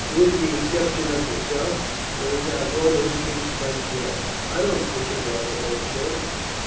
"With the exception of yourself, there is not one who speaks French well." "I don't speak it well," the mate said.